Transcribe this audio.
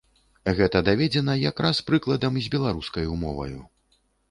Гэта даведзена якраз прыкладам з беларускаю моваю.